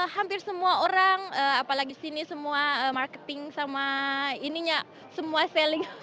hampir semua orang apalagi sini semua marketing sama ininya semua selling